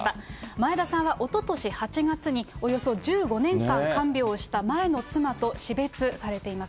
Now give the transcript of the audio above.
前田さんはおととし８月に、およそ１５年間看病をした前の妻と死別されています。